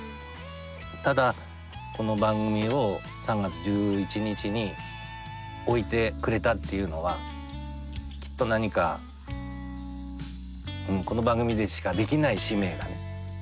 ただこの番組を３月１１日に置いてくれたっていうのはきっと何かこの番組でしかできない使命がねあるんじゃないかなと思って。